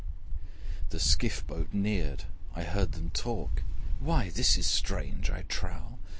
The skiff boat neared: I heard them talk, 'Why, this is strange, I trow!